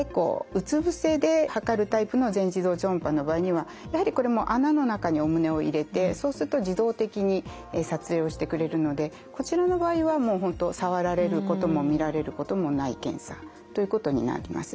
うつぶせではかるタイプの全自動超音波の場合にはやはりこれも穴の中にお胸を入れてそうすると自動的に撮影をしてくれるのでこちらの場合は本当触られることも見られることもない検査ということになります。